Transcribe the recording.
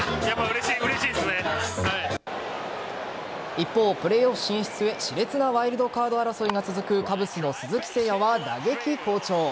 一方、プレーオフ進出へ熾烈なワイルドカード争いが続くカブスの鈴木誠也は打撃好調。